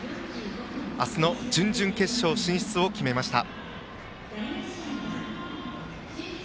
明日の準々決勝進出を決めました。